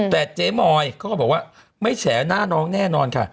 แต่เจ๊มอยเขาก็บอกว่าไม่แฉหน้าน้องแน่นอนค่ะ